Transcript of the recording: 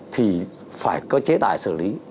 thì phải có chế tài xử lý